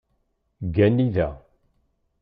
Ggani da.